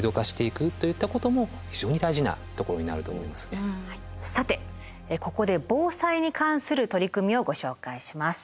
そのためにはやはりさてここで防災に関する取り組みをご紹介します。